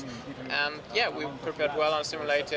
dan ya kami telah bersedia dengan baik di simulator